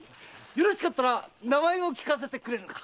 よかったら名前を聞かせてくれぬか？